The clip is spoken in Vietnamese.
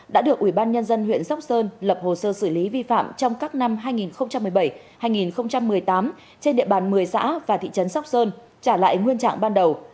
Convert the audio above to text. đã được ubnd huyện sắp sơn lập hồ sơ xử lý vi phạm trong các năm hai nghìn một mươi bảy hai nghìn một mươi tám trên địa bàn một mươi xã và thị trấn sắp sơn trả lại nguyên trạng ban đầu